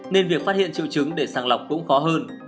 nên việc phát hiện triệu chứng để sàng lọc cũng khó hơn